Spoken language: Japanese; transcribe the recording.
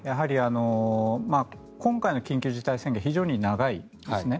今回の緊急事態宣言は非常に長いですね。